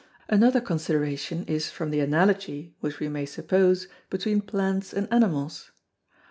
Another Consideration is from the Analogy, which we may suppose between Plants and Animals.